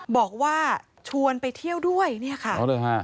บอกว่าชวนไปเที่ยวด้วยเนี่ยค่ะ